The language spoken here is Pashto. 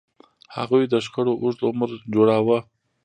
هغوی د شخړو اوږد عمر جوړاوه.